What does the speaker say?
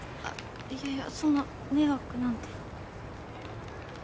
いやいやそんな迷惑なんて。